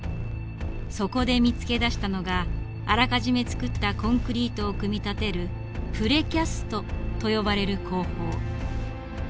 そこで見つけ出したのがあらかじめ作ったコンクリートを組み立てるプレキャストと呼ばれる工法。